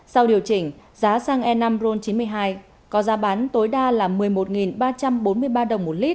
sau điều chỉnh giá xăng e năm ron chín mươi hai có giá bán tối đa là một mươi một ba trăm bốn mươi ba đồng một lít